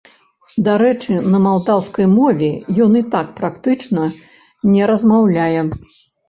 Дарэчы, на малдаўскай мове ён і так практычна не размаўляе.